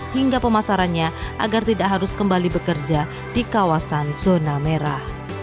hingga pemasarannya agar tidak harus kembali bekerja di kawasan zona merah